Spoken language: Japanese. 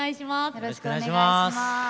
よろしくお願いします。